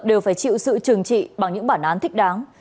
đều phải chịu sự trừng trị bằng những bản án thích đáng